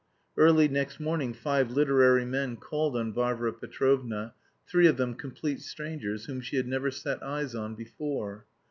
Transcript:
Early next morning five literary men called on Varvara Petrovna, three of them complete strangers, whom she had never set eyes on before.